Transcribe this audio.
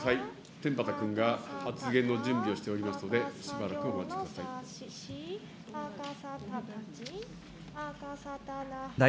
天畠君が発言の準備をしておりますので、しばらくお待ちください。